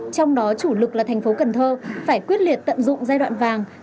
trong đó chủ lực là thành phố cần thơ phải quyết liệt tận dụng giai đoạn vàng